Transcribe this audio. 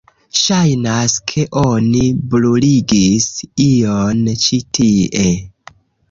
Ŝajnas ke oni bruligis ion ĉi tie.